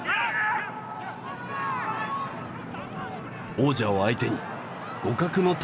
王者を相手に互角の戦い。